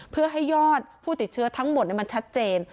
เพื่อให้ยอดผู้ติดเชื้อทั้งหมดมันชัดเจน